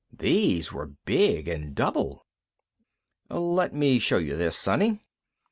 These were big, and double. "Let me show you this, Sonny."